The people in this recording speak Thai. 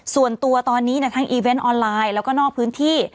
ส่วนตัวตอนนี้ทั้งอีเวนต์ออนไลน์แล้วก็นอกพื้นที่